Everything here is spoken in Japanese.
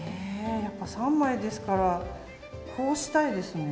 やっぱ３枚ですからこうしたいですね。